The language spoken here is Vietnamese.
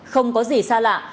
không có gì xa lạ